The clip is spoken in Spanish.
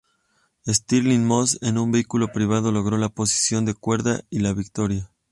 Stirling Moss, en su vehículo privado logró la posición de cuerda y la victoria.